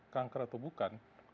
kanker atau bukan